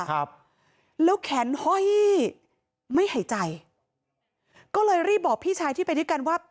ครับแล้วแขนห้อยไม่หายใจก็เลยรีบบอกพี่ชายที่ไปด้วยกันว่า